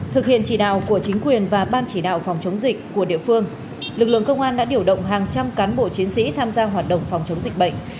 thực hiện chỉ đạo của chính quyền và ban chỉ đạo phòng chống dịch của địa phương lực lượng công an đã điều động hàng trăm cán bộ chiến sĩ tham gia hoạt động phòng chống dịch bệnh